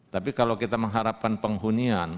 tapi kalau kita mengharapkan penghunian